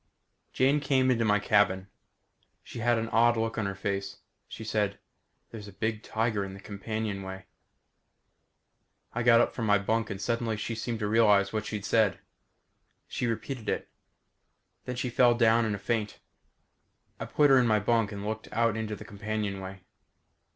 Jane came into my cabin. She had an odd look on her face. She said, "There's a big tiger in the companionway." I got up from my bunk and suddenly she seemed to realize what she'd said. She repeated it. Then she fell down in a faint. I put her in my bunk and looked out into the companionway.